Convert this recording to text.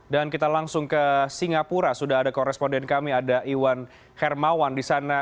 dan kita langsung ke singapura sudah ada koresponden kami ada iwan hermawan di sana